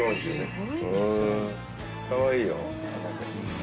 かわいいよ。